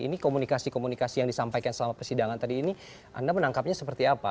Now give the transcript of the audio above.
ini komunikasi komunikasi yang disampaikan selama persidangan tadi ini anda menangkapnya seperti apa